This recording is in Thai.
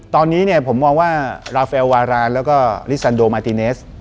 ตอนนี้เนี่ยผมมองว่าราเฟลวารานแล้วก็ลิซันโดมาติเนส